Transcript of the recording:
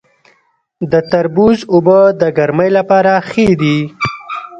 د تربوز اوبه د ګرمۍ لپاره ښې دي.